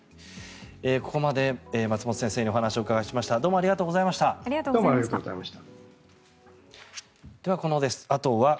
ここまで松本先生にお話をお伺いしました。